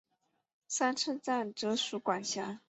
三次站则属管辖。